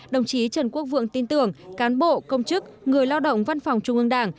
đồng chí trần quốc vượng tin tưởng cán bộ công chức người lao động văn phòng trung ương đảng